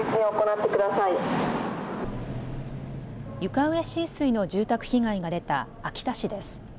床上浸水の住宅被害が出た秋田市です。